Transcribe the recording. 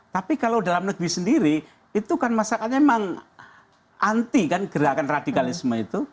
tapi kalau dalam negeri sendiri itu kan masyarakatnya memang anti kan gerakan radikalisme itu